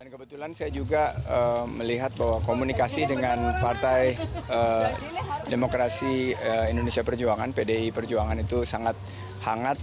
kebetulan saya juga melihat bahwa komunikasi dengan partai demokrasi indonesia perjuangan pdi perjuangan itu sangat hangat